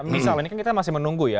misal ini kan kita masih menunggu ya